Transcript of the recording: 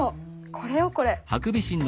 これよこれ。